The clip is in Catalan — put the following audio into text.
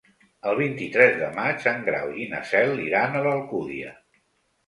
El vint-i-tres de maig en Grau i na Cel iran a l'Alcúdia.